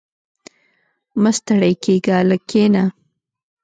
• مه ستړی کېږه، لږ کښېنه.